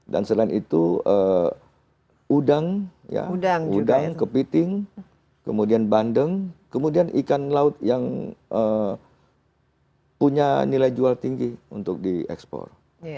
dan selain itu udang kepiting kemudian bandeng kemudian ikan laut yang punya nilai jual tinggi untuk diekspor